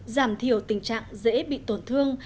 giảm thiểu tình trạng dễ bị tổn thương